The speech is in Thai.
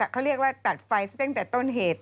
เขาเรียกว่าตัดไฟซะตั้งแต่ต้นเหตุ